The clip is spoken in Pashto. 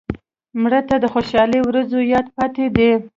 مړه ته د خوشحالۍ ورځو یاد پاتې دی